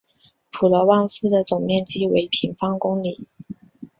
普罗旺斯的总面积为平方公里。